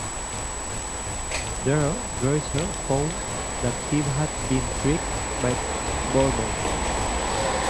There Greiser found that he had been tricked by Bormann.